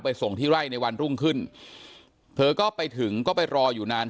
ส่งที่ไร่ในวันรุ่งขึ้นเธอก็ไปถึงก็ไปรออยู่นาน